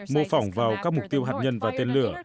mô phỏng vào các mục tiêu hạt nhân và tên lửa